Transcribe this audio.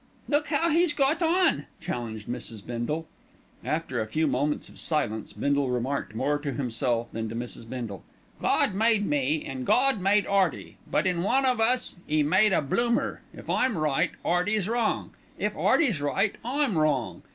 "Look how he's got on!" challenged Mrs. Bindle. After a few moments of silence Bindle remarked more to himself than to Mrs. Bindle: "Gawd made me, an' Gawd made 'Earty; but in one of us 'E made a bloomer. If I'm right, 'Earty's wrong; if 'Earty's right, I'm wrong.